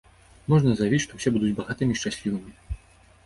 Можна заявіць, што ўсе будуць багатымі і шчаслівымі.